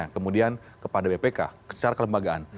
kemudian kepada bpk secara kelembagaan